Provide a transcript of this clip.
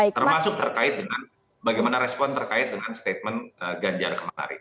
termasuk terkait dengan bagaimana respon terkait dengan statement ganjar kemarin